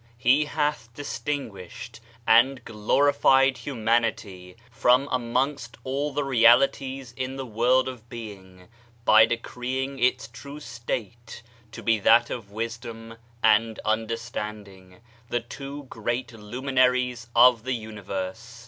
He hath distinguished and glorified humanity, from amongst all the realities in the world of being, by decreeing its true state to be diat of wisdom and understanding, the two great luminaries of the universe.